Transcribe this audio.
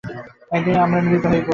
একদিন আমরা মিলিত হবো।